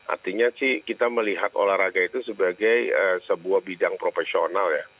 artinya sih kita melihat olahraga itu sebagai sebuah bidang profesional ya